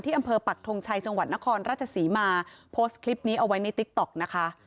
อำเภอปักทงชัยจังหวัดนครราชศรีมาโพสต์คลิปนี้เอาไว้ในติ๊กต๊อกนะคะ